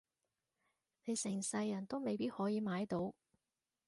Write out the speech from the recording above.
你成世人都未必可以買到